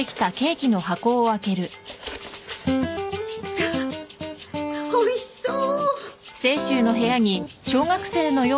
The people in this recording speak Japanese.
わっおいしそう。